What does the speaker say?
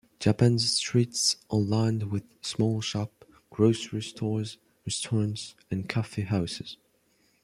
Japan's streets are lined with small shops, grocery stores, restaurants, and coffeehouses.